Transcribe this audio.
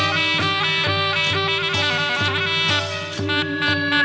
วู้วู้วู้